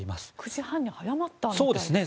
９時半に早まったみたいですね。